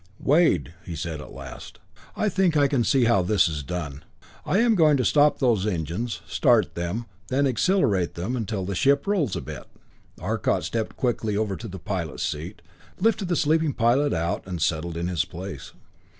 "Wade," he said at last, "I think I can see how this is done. I am going to stop those engines, start them, then accelerate them till the ship rolls a bit!" Arcot stepped quickly over to the pilots seat, lifted the sleeping pilot out, and settled in his place.